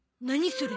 それ。